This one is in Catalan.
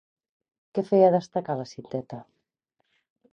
Què feia destacar la cinteta?